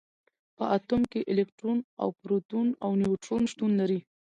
په اتوم کې الکترون او پروټون او نیوټرون شتون لري.